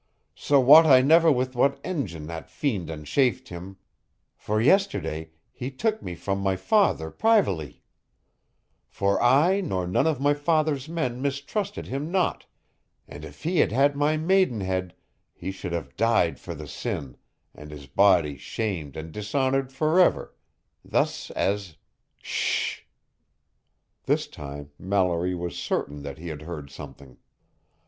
So wot I never with what engyn the fiend enchafed him, for yesterday he took me from my father privily; for I nor none of my father's men mistrusted him not, and if he had had my maidenhead he should have died for the sin, and his body shamed and dishonored for ever. Thus as " "Shhh!" This time, Mallory was certain that he had heard something.